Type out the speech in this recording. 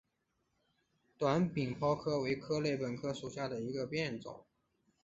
短柄枹栎为壳斗科栎属下的一个变种。